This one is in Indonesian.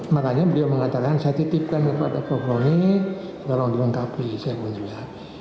makanya dia mengatakan saya titipkan kepada pokroni tolong dilengkapi saya pun juga